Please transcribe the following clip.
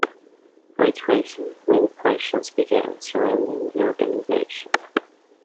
Foyt Racing, many questions began surrounding the organization.